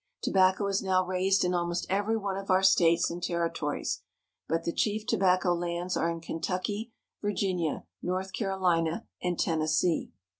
Tobacco is now raised in almost every one of our states and territories, but the chief tobacco lands are in Ken tucky, Virginia, North Carolina, and Tennessee.